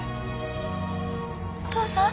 お父さん？